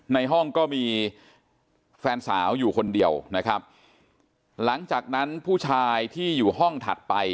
ในห้องก็มีแฟนสาวอยู่คนเดียวนะครับหลังจากนั้นผู้ชายที่อยู่ห้องถัดไป